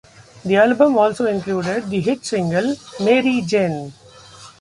The album also included the hit single, "Mary Jane".